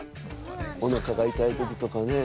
おなかが痛い時とかね。